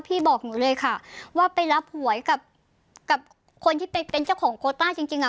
พี่บอกหนูเลยค่ะว่าไปรับหวยกับคนที่ไปเป็นเจ้าของโคต้าจริงจริงอ่ะ